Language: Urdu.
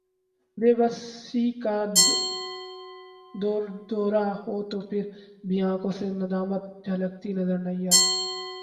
بے بسی کا دوردورہ ہو تو پھربھی آنکھوں سے ندامت جھلکتی نظر نہ آئے